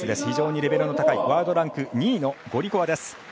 非常にレベルの高いワールドランク２位のゴリコワ。